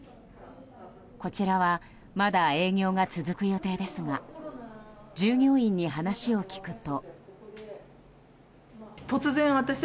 こちらはまだ営業が続く予定ですが従業員に話を聞くと。